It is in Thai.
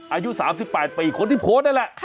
อายุ๓๘ปีคนที่โพสต์นั่นแหละ